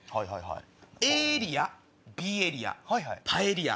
エーエリアビーエリアパエリア。